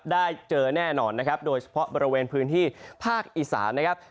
ได้เจอแน่นอนนะครับโดยเฉพาะบริเวณพื้นที่ภาคอีสานนะครับ